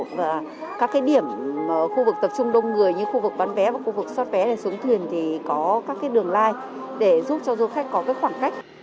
và các điểm khu vực tập trung đông người như khu vực bán vé và khu vực xót vé xuống thuyền thì có các đường lai để giúp cho du khách có khoảng cách